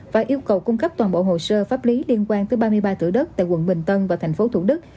và yêu cầu cung cấp toàn bộ hồ sơ pháp lý liên quan tới ba mươi ba tử đất tại quận bình tân và thành phố thủ đức